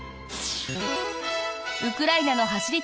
ウクライナの走り